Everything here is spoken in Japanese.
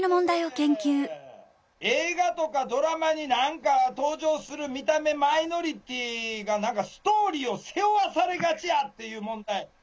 映画とかドラマに何か登場する見た目マイノリティーが何かストーリーを背負わされがちやっていう問題。